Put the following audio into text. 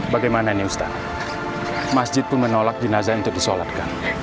bagaimana ini ustaz masjid pun menolak jenazah untuk disolatkan